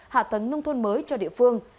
hạ tầng nông thôn mới cho địa phương